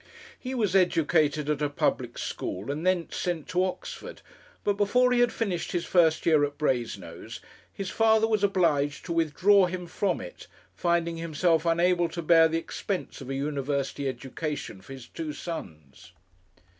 He was educated at a public school, and thence sent to Oxford; but before he had finished his first year at Brasenose his father was obliged to withdraw him from it, finding himself unable to bear the expense of a university education for his two sons.